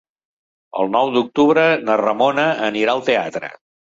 El nou d'octubre na Ramona anirà al teatre.